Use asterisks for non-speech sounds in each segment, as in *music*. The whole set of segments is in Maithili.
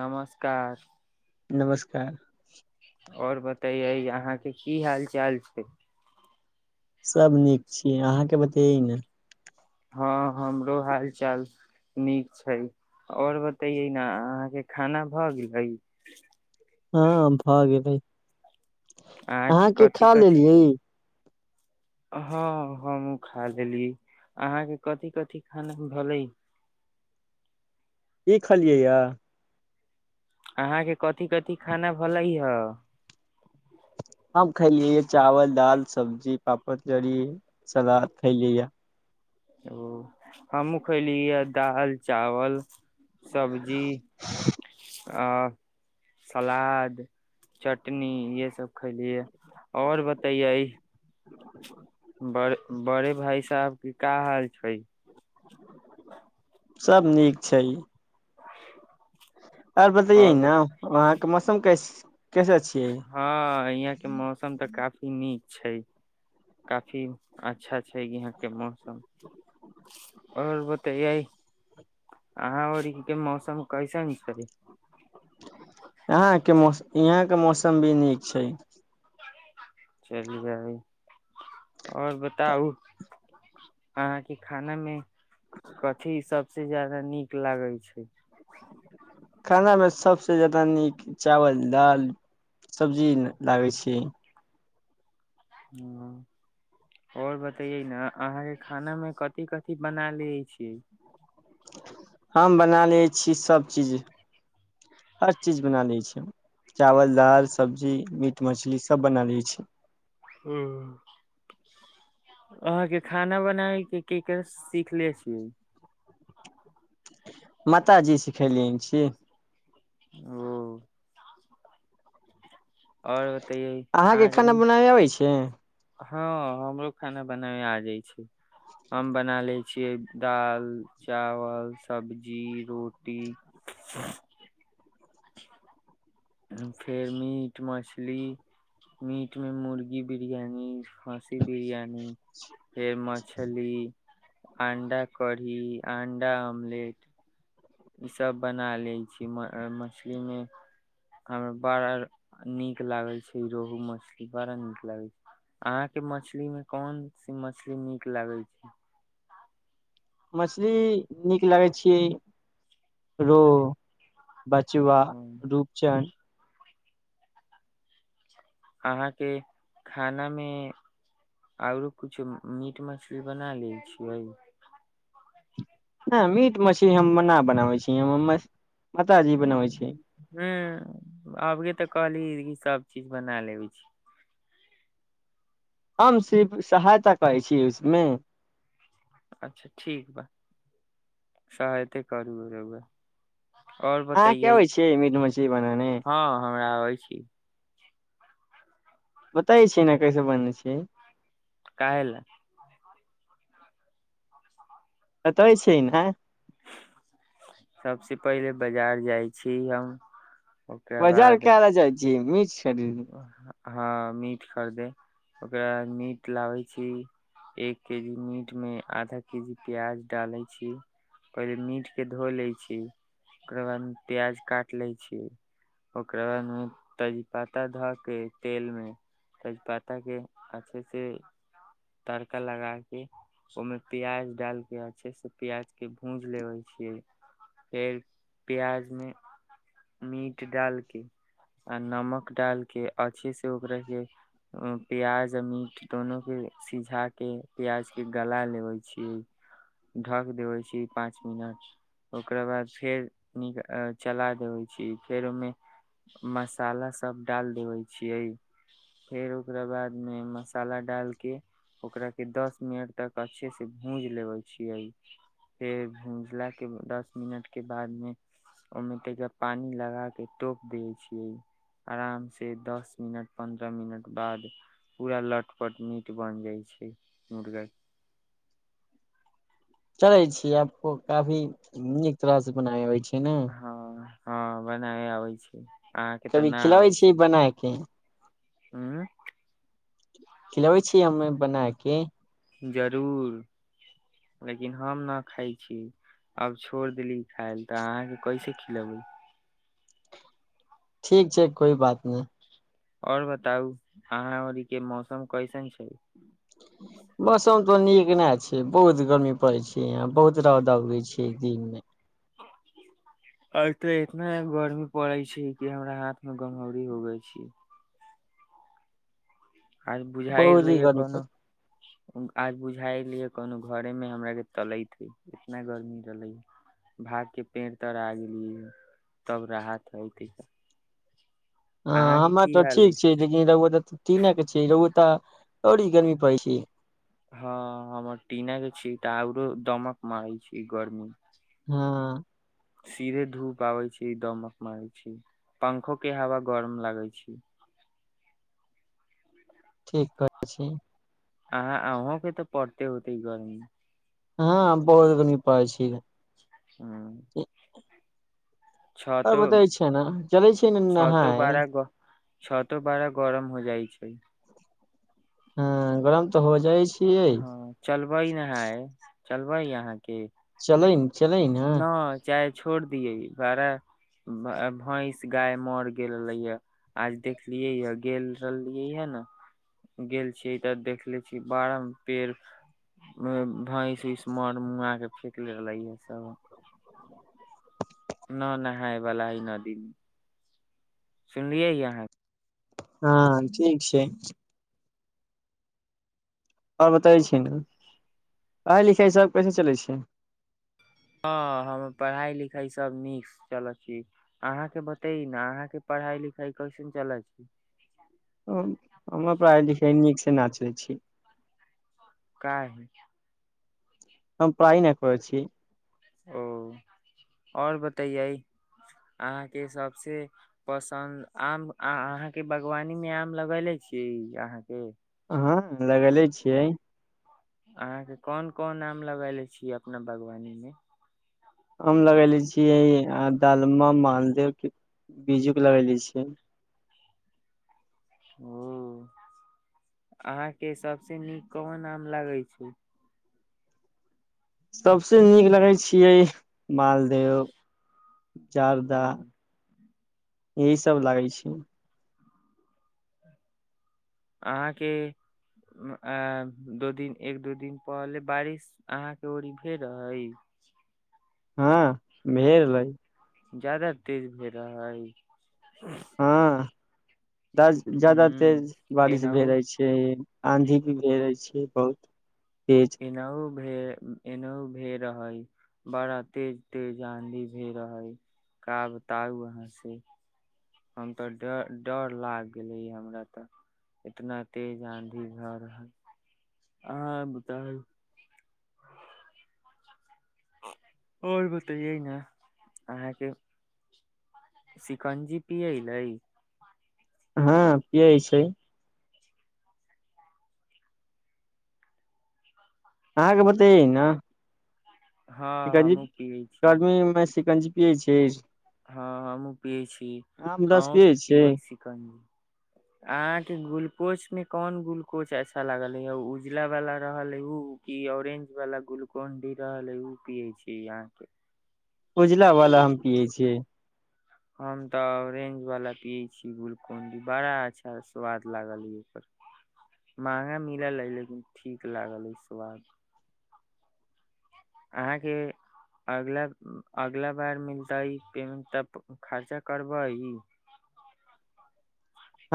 नमस्कार नमस्कार आओर बात तऽ य अहाँके की हाल चाल छै सब नीक छी अहाँके बतैैयो ने हँ हमरो हाल चाल नीक छै आओर बतैयै ने अहाँके खाना भऽ गेलै ह भ गेलै अहाँके कथि खा कथि लेलियै हँ हमू खा लेली अहाँके कथि कथि खाना भेलै की खलियै यए अहाँके कथी- कथि खाना भेले हे हम खायलिय चावल, दालि, सब्जी पापड़ जरी सलाद खइलैय ओ हमहूँ खयली ह दालि चावल सब्जी आ सलाद चटनी इहे सब खैलियै आओर बतैयै बड़े बड़े भाय साहब के का हाल छै सभ नीक छै आर बतैय आओर ने वहाँ मौसम कैस कैसे छियै हँ यहाँ के मौसम तऽ काफी नीक छै काफी अच्छा छै यहाँ के मौसम आओर बतेये अहा आऔर के मौसम कैसन छै यहाँ के मौसम यहाँ के मौसम भी नीक छै चलि जायब आओर बताउ अहाँके खाना मे कथि सबसे जादा नीक लागै छै खाना मे सबसे नीक चावल, दाल, सब्जी, लागे छी ह आओर बतैयै ने अहाँके खानामे कथि कथि बना लै छिय हम बना लै छी सभचीज हर चीज बना लै छी चावल दाल सब्जी मीट मछली सभ बना लै छी ह अहाँके खाना बनाबै के केकर सीखले छियै माताजी सिखेलियनि छी ओ आओर बतैयै अहाँके खाना बनाबे अबै छियै हँ हमरो खाना बनाबै आ जाय छी हम बनालै छ दाल चावल सब्जी रोटी अच्ी बता फेर मीट मछली मीट में मुर्गी बिरयानी हां सी बिरियानी फेर मछली अंडा कढ़ी अंडा आमलेट ईसभ बना लै छी मछलीमे हमरा बड़ा नीक लागै छै रोहू मछली बड़ा नीक लगै छै अहाँके मछलीमे कोन सी मछली नीक लगै छै। मछली नीक लागै छी रोहू बचुआ ह रूपचन्द अहाँके खानामे आरो किछो मीट मछली बना लै छियै नहि मीट मछली हम नहि बनाबै छी हम बनाबै छी ह आबगे तऽ काहली सब चीज बना लेबै छी हम सिर्फ सहायता करै छी उसमे अच्छा ठीक बा सहायते करू रोउए हँ क होय छै मीट मछली बनने हँ आबै छी छियै ने कैसे बनै छियै काहे ल कतै छीयै ने सबसे पहिले बाजार जाइ छी हम ओकरा बजार बाद काय ले जाइ छी निछ- की हँ मीट खरीदे ओकरा बाद मीट लाबै छी एक के जी मीटमे आधा के जी प्याज डालै छी पहिले मीटके धो लै छी ओकरा बाद प्याज काटि लै छी ओकरा बादमे तरीपा पत्ता धऽ के तेलमे तेजपत्ताके अच्छे से तड़का लगाके ओहिमे प्याज डालके अच्छे से प्याजके भूज लेबै छियै फेर प्याजमे मीट डालके आ नमक डाल के अच्छे से ओकरा के प्याज मीट दोनो के सिझाके प्याज के गला लैबै छी ढक देैबै छी पाँच मिनट ओकरा बाद फेर निक चला देबै छी फेर ओहिमे मसाला स सब डाल देबै छियै फेर ओकरा बादमे मसाला डालके ओकराके दस मिनट तक अच्छे से भूज लेबै छियै फेर भूजलाके दस मिनट के बादमे ओहिमे ता पानि लगाके टोप दैबै छियै आराम से दस मिनट पन्द्रह मिनट बाद पूरा लटपट मीट बन जाइ छै मुर्गा चलै छी आपको काफी नीक तरह से बनाय होइ छै हुं हँ हँ बनाबै आबै छै अहाँके तऽ कभी न खिलाबै छीये बना के। ह्म्म। खिलबै छियै हमे बना के। जरूर लेकिन हम ना खाय छी, आब छोड़ देली खायलै तऽ अहाँ के कैसे खिलेबै। ठीक छै कोइ बात ने। और बताउ अहाँ अरी के मौसम कैसन छै। *unintelligible* तो नीक ने छै, बहुत गर्मी पड़े छै यहां। बहुत रौउदा उगै छै। इ दिन मे। अब ते इतना गर्मी पड़ै छै कि हमरा हाथ मे गमौरी होबै छै। आय बुझाय बहुत रहलेै ही या गर्मी कोनो पड़ आय बुझाएल या कनो घरेमे हमराक के तलैत हय, इतना गर्मी रहलै भागके पेड़ तड़ा आ गेलियै तब राहत हएत एछ। हाँ हमर ते ठीक छै, लेकिन रौउआ त ट टीने के छिये, रौउआ त और इ गर्मी पड़े छै। हाँ हमर टीना के छी तऽ आरो दमक मारै छै गर्मी। हँ सीधे धूप आबै छी, दमक मारै छी, पंखो के हवा गरम लागै छी। ठीक कहे छी। अहा अहों के ते पड़ते होते गर्मी। हाँ बहुत गर्मी पड़े छै। ह्म्म। आओर छतो, बतै छै ने चलै छै ने छतो नहाय बड़ा ग छतो बड़ा गरम हो जाय छै। ए हाँ गाम ते हो जाय छै। हाँ चलबै नहाय। चलबै यहाँ की। चलीन। ने चाय छोड़ दिये बड़ा ब अ भैंस, गाय मैर गेले या आज देखलियै या, गेल रहलियै या ने गेल छी तऽ देखले छी बारा पेड़ *unintelligible* भैंस उस मर मुआ के फेेक रहलै या सब। ना नहाय बला इ नदी मे सुनलियै यहाँ। हाँ ठीक छै। और बताई छी ने पढ़ाय लिखाय सब कैसे चलै छै। हाँ हमर पढ़ाई लिखाई सब नीक से चलै छी, अहाँ के बताई ने अहाँ के पढ़ाई लिखाई कैसन चलै छी। हम हमर पढ़ाई लिखाई नीक से ना चले छी। काहे। हम पढ़ाई न करै छी। ओ और बतैयै अहाँके सबसे पसन्द आम अहाँ के बागवानी मे आम लगेले छी अहाँके। हाँ लगेले छियै। अहाँ के कोन कोन आम लगएले छियै अपना बागवानी मे। आम लगेले छियै आ दालमा, मालदे की बीजू के लगैले छियै। ओ अहाँके सबसे नीक कोन आम लगै छै सभसें नीक लगै छियै मालदेव जार्दा ओ, यही सब लागै छै अहाँके अ- दू दिन एक दू दिन पहले बारिश अहाँके ओड़ी भेल रहै हाँ भेलै ज्यादा तेज भेल रहै हाँ ह ज्य-ज्यादातेज बारिश भए एनाहु रहै छै आँधी भी घेरै छियै बहुत तेज ई नौ भे ई- नौ भेए रहै बड़ा तेज तेज आंधी भए रहै का बताउ अहाँ से हम तऽ ड- डर लागि गेलैए हमरा तऽ इतना तेज आँधी भए रहै अहाँ बताउ आओर बतैऽय न अहाँके शिकंजी पीयैलै हाँ पीयै छै अहाँके बतैइए न हँ हमहुँ पियै शिकंजी *unintelligible* सिकंजी पीयै छै हाँ हमहूँ पीयै छी आमरस अंहूँ पियै के छियै पीबै छी सिकंजी अहाँके ग्लूकोज मे कोन ग्लूकोज अच्छा लागल हइ उजला वला रहल हइ उ की ऑरेंज वला ग्लूकोन डी रहल हइ उ पीयै छी अहाँके उजलावला हम पीयै छियै हम तऽ ऑरेंजवला पीयै छी ग्लूकॉन-डी बड़ा अच्छा स्वाद लागल हइ अ-ओकर महंगा मिलल हइ लेकिन ठीक लागल हइ स्वाद अहाँके अगला- अगला बार मिलतै पेमेंट तऽ खर्चा करबै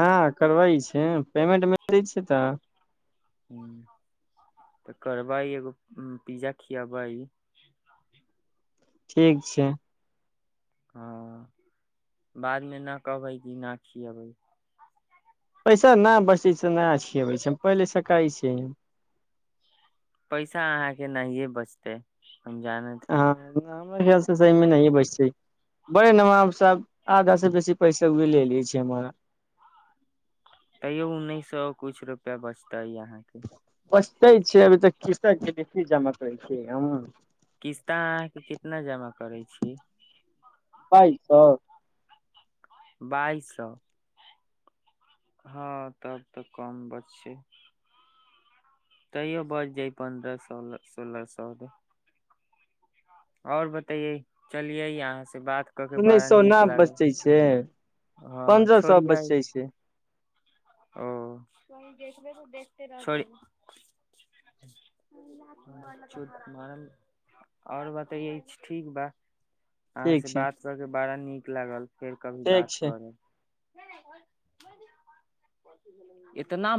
हाँ करबैय छै पेमेंट मिलै छै तऽ हूँ तऽ करबै एगो पिज्जा खियैबैय ठीक छै हँ बादमे न कहबै की ना खियबै पैसा ना बचै छै ना खियबै छै हम पहिलेसँ कहै छी पैसा अहाँके नहियै बचतै हम जानैत छी बढ़ियाँ स सही नहि बैसे छै बड़े नमाब स आधा से बेसी पैसा उ ले लै छै हमार तैयो उन्नैस सौ कछु रुपैया बचतै अहाँके पचतै छियै अभी तक कृसक किस्त जमा करै छियै हम किस्ता अहाँके कितना जमा करै छी बाइस सौ बाइस सौ हँ तब तऽ कम बचयै तैयो बच जाइ पन्द्रह सोलह सोलह सौ आओर बतैेय चलियै अहाँ से बात क के उन्नैस बड़ा सौ ना नीक लागल बचैय छै हँ पन्द्रह सौ छोड़ियै बचैय छै ओ आओर बतयै ठीक बा अहाँ ठीक से छै बात करके बड़ा नीक लागल फेर कभी ठीक बात छै करब इतना